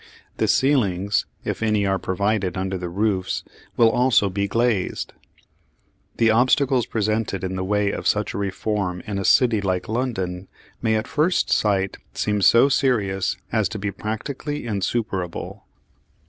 The ceilings, if any are provided under the roofs, will also be glazed. The obstacles presented in the way of such a reform in a city like London may at first sight seem so serious as to be practically insuperable.